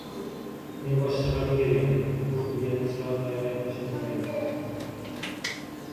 Men boshqa shahardan kelganman. Bu tunnelni chirogʻi qayerdan yoqilishini bilmayman...!